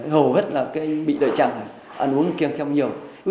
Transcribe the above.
hầu hết là bị đại tràng ăn uống không nhiều